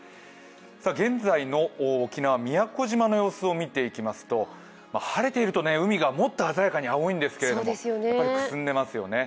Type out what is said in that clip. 現在の沖縄・宮古島の様子を見ていきますと晴れていると海がもっと鮮やかに青いんですけれどくすんでますよね。